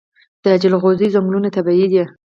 د جلغوزیو ځنګلونه طبیعي دي؟